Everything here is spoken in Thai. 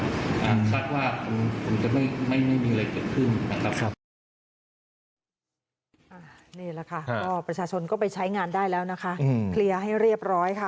คาดว่าจะไม่มีอะไรจะขึ้นนะครับ